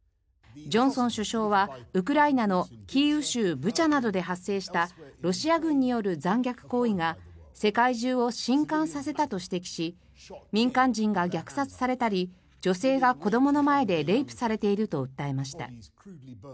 ジョンソン首相はウクライナのキーウ州ブチャなどで発生したロシア軍による残虐行為が世界中を震かんさせたと指摘し民間人が虐殺されたり女性が子どもの前でレイプされていると訴えました。